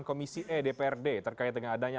komisi edprd terkait dengan adanya